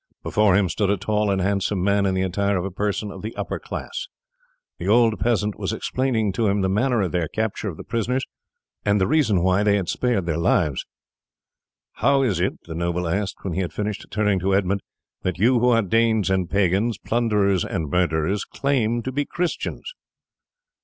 Before him stood a tall and handsome man in the attire of a person of the upper class. The old peasant was explaining to him the manner of their capture of the prisoners, and the reason why they had spared their lives. "How is it," the noble asked when he had finished, turning to Edmund, "that you who are Danes and pagans, plunderers and murderers, claim to be Christians?"